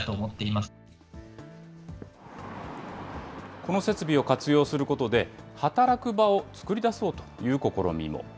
この設備を活用することで、働く場を作り出そうという試みも。